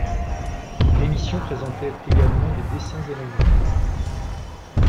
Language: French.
L'émission présentait également des dessins animés.